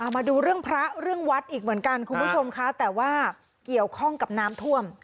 มาดูเรื่องพระเรื่องวัดอีกเหมือนกันคุณผู้ชมค่ะแต่ว่าเกี่ยวข้องกับน้ำท่วม